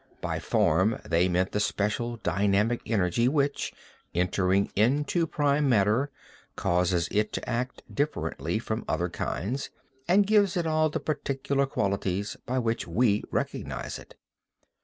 By form they meant the special dynamic energy which, entering into prime matter, causes it to act differently from other kinds and gives it all the particular qualities by which we recognize it.